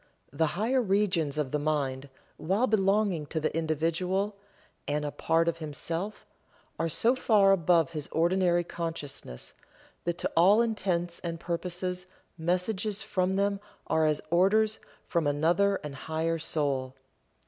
The higher regions of the mind, while belonging to the individual, and a part of himself, are so far above his ordinary consciousness that to all intents and purposes messages from them are as orders from another and higher soul.